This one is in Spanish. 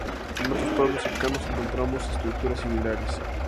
En otros pueblos cercanos encontramos estructuras similares.